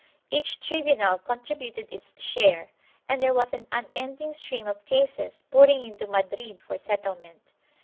Each tribunal contributed its share, and there was an unending stream of cases pouring into Madrid for settlement.